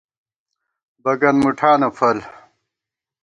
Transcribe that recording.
بَگن مُٹھانہ فَل